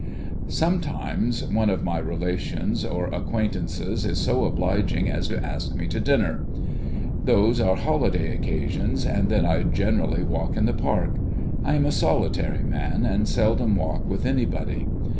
Sometimes, one of my relations or acquaintances is so obliging as to ask me to dinner. Those are holiday occasions, and then I generally walk in the Park. I am a solitary man, and seldom walk with anybody.